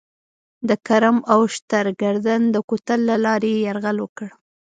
د کرم او شترګردن د کوتل له لارې یې یرغل وکړ.